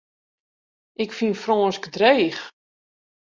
Ik fyn Frânsk dreech.